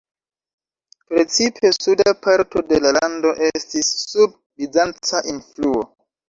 Precipe suda parto de la lando estis sub bizanca influo.